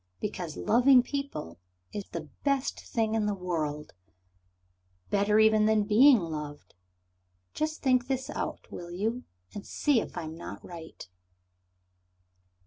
Because loving people is the best thing in the world better even than being loved. Just think this out, will you, and see if I am not right.